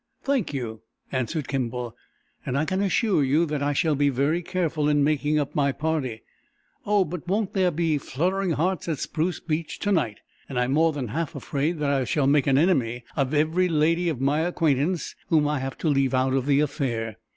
"Thank you," answered Kimball. "And I can assure you that I shall be very careful in making up my party. Oh, but won't there be fluttering hearts at Spruce Beach tonight And I'm more than half afraid that I shall make an enemy of every lady of my acquaintance whom I have to leave out of the affair.